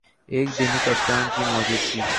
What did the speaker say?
ایک ہی کپتان کی موجودگی